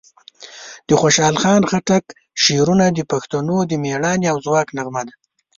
د خوشحال خان خټک شعرونه د پښتنو د مېړانې او ځواک نغمه ده.